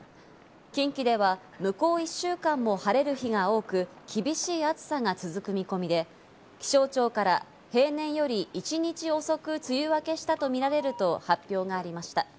近畿では、向こう１週間も晴れる日が多く、厳しい暑さが続く見込みで、気象庁から、平年より一日遅く梅雨明けしたとみられると発表がありました。